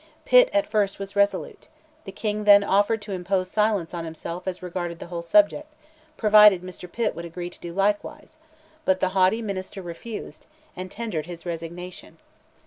Pitt, at first, was resolute; the King then offered to impose silence on himself as regarded the whole subject, provided Mr. Pitt would agree to do likewise, but the haughty minister refused, and tendered his resignation.